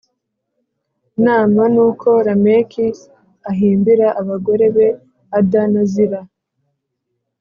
Nama Nuko Lameki ahimbira abagore be Ada na Zila